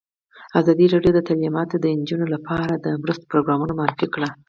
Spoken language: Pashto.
ازادي راډیو د تعلیمات د نجونو لپاره لپاره د مرستو پروګرامونه معرفي کړي.